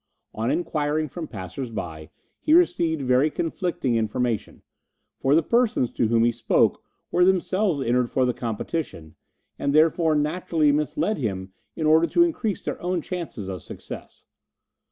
On inquiring from passers by, he received very conflicting information; for the persons to whom he spoke were themselves entered for the competition, and therefore naturally misled him in order to increase their own chances of success.